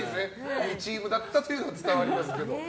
いいチームだったのが伝わりますけど。